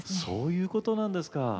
あそういうことなんですか。